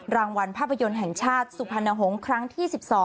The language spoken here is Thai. รางวัลภาพยนตร์แห่งชาติสุพรรณหงษ์ครั้งที่๑๒